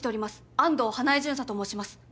安藤花恵巡査と申します。